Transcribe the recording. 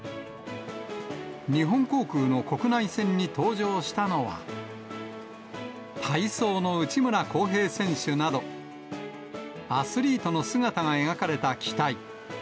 日本航空の国内線に登場したのは、体操の内村航平選手など、アスリートの姿が描かれた機体。